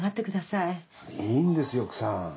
いいんですよ奥さん。